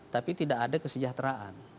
tapi tidak ada kesejahteraan